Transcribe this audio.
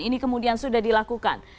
ini kemudian sudah dilakukan